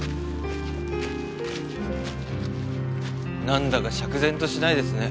なんだか釈然としないですね。